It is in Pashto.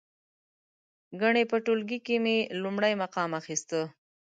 ګنې په ټولګي کې مې لومړی مقام اخسته.